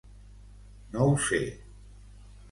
No ho sé.